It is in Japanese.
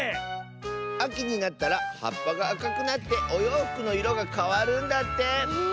あきになったらはっぱがあかくなっておようふくのいろがかわるんだって！